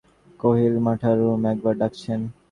চাকর আসিয়া অক্ষয়ের কানে কানে কহিল, মাঠাকরুন একবার ডাকছেন।